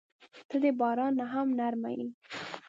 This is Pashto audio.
• ته د باران نه هم نرمه یې.